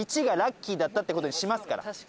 「１」がラッキーだったって事にしますから。